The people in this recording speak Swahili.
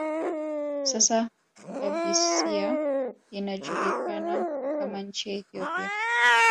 Sasa Abysia inajulikana kama nchi ya Ethiopia